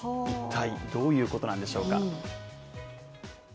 一体どういうことなんでしょうか？